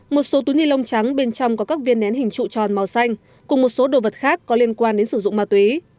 một số túi ni lông trắng bên trong có các viên nén hình trụ tròn màu xanh cùng một số đồ vật khác có liên quan đến sử dụng ma túy